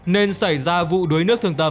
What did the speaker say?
nên xảy ra vụ đuối nước thương tâm